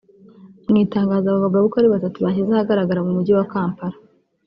Mu itangazo aba bagabo uko ari batatu bashyize ahagaragara mu Mujyi wa Kampala